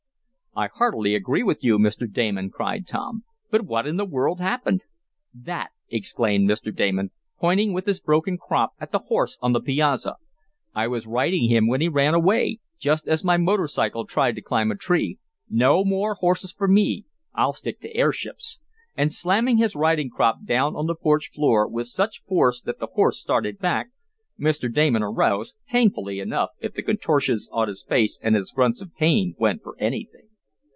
"I heartily agree with you, Mr. Damon!" cried Tom. "But what in the world happened?" "That!" exclaimed Mr. Damon, pointing with his broken crop at the horse on the piazza. "I was riding him when he ran away just as my motorcycle tried to climb a tree. No more horses for me! I'll stick to airships," and slamming his riding crop down on the porch floor with such force that the horse started back, Mr. Damon arose, painfully enough if the contortions on his face and his grunts of pain went for anything.